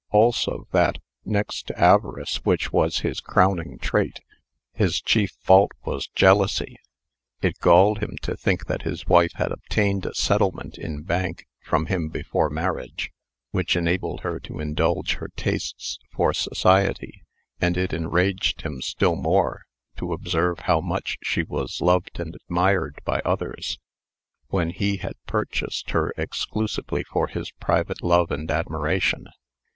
Also that, next to avarice, which was his crowning trait, his chief fault was jealousy. It galled him to think that his wife had obtained a settlement in bank from him before marriage, which enabled her to indulge her tastes for society; and it enraged him still more to observe how much she was loved and admired by others, when he had purchased her exclusively for his private love and admiration.